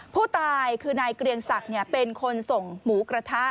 ผู้ตายคือนายเกรียงศักดิ์เป็นคนส่งหมูกระทะ